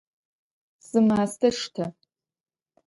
Зы мастэ штэ!